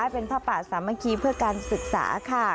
เป็นผ้าป่าสามัคคีเพื่อการศึกษาค่ะ